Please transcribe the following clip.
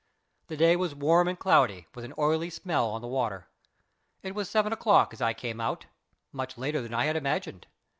The day was warm and cloudy, with an oily smell on the water. It was seven o'clock as I came out much later than I had imagined.